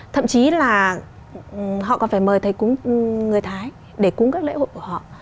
thậm chí là họ còn phải mời thầy cúng người thái để cúng các lễ hội của họ